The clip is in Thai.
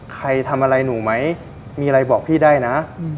ใครทำอะไรหนูไหมมีอะไรบอกพี่ได้นะ